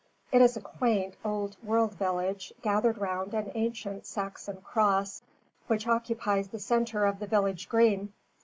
It is a quaint, old world village, gathered round an ancient Saxon Cross, which occupies the centre of the village green.